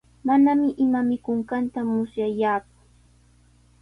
Manami ima mikunqanta musyallaaku.